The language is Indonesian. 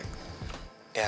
terima kasih ya boy